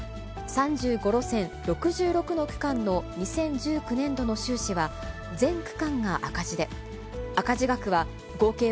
３５路線、６６の区間の２０１９年度の収支は、全区間が赤字で、赤字額は合計